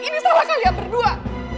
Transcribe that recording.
ini salah kalian berdua